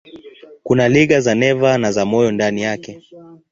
Kuna liga za neva na za moyo ndani yake.